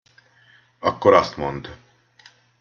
Akkor azt mondd.